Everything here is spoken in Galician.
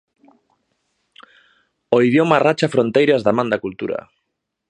O idioma racha fronteiras da man da cultura.